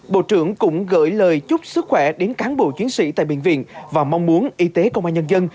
bộ trưởng cũng gửi lời chúc sức khỏe đến cán bộ chiến sĩ tại bệnh viện và mong muốn y tế công an nhân dân